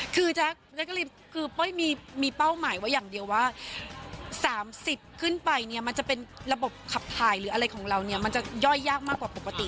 คือเป้ยมีเป้าหมายไว้อย่างเดียวว่า๓๐ขึ้นไปเนี่ยมันจะเป็นระบบขับถ่ายหรืออะไรของเราเนี่ยมันจะย่อยยากมากกว่าปกติ